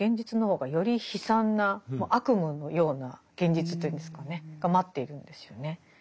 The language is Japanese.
悪夢のような現実というんですかねが待っているんですよね。